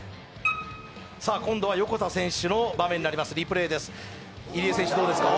今度は横田選手の場面になります、リプレーです。